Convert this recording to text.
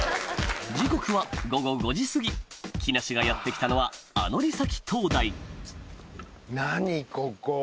時刻は午後５時過ぎ木梨がやって来たのはハハハ！